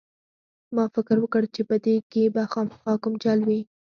ما فکر وکړ چې په دې کښې به خامخا کوم چل وي.